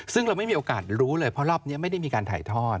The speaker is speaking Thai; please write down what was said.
ซึ่งเราไม่มีโอกาสรู้เลยเพราะรอบนี้ไม่ได้มีการถ่ายทอด